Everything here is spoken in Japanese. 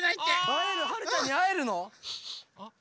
あえるはるちゃんにあえるの？